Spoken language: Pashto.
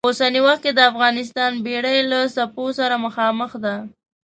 په اوسني وخت کې د افغانستان بېړۍ له څپو سره مخامخ ده.